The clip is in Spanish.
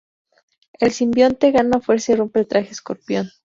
El simbionte gana fuerza y rompe el traje Escorpión.